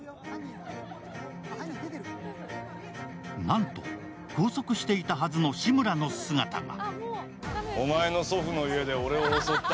なんと、拘束していたはずの志村の姿が。